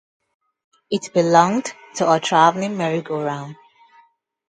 It belonged to a travelling merry-go-round.